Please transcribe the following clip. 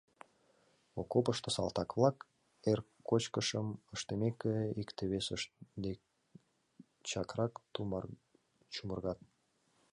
Окопышто салтак-влак, эр кочкышым ыштымеке, икте-весышт дек чакрак чумыргат.